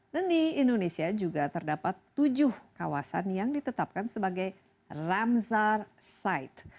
dan di indonesia juga terdapat tujuh kawasan yang ditetapkan sebagai ramsar site